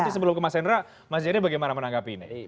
nanti sebelum ke mas hendra mas jaya bagaimana menanggapi ini